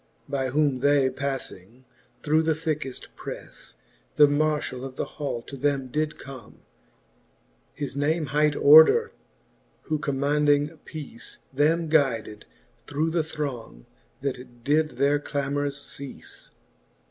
By whom they pafling through the thickeft preafle, The marfhall of the hall to them did come ; His name hight Order, who commaunding peace, Them guyded through the throng, that did their clamors ceafle.